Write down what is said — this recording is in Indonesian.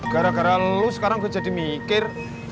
gara gara lu sekarang gue jadi mikir